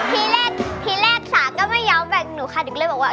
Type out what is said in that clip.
ทีแรกทีแรกสาก็ไม่ยอมแบ่งหนูค่ะหนูก็เลยบอกว่า